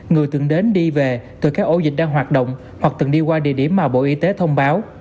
người từng đến đi về từ các ổ dịch đang hoạt động hoặc từng đi qua địa điểm mà bộ y tế thông báo